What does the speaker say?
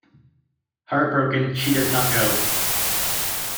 Heartbroken, she does not go.